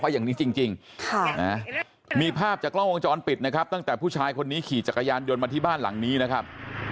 อย่างนี้จริงมีภาพจากกล้องวงจรปิดนะครับตั้งแต่ผู้ชายคนนี้ขี่จักรยานยนต์มาที่บ้านหลังนี้นะครับ